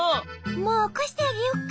もうおこしてあげよっか？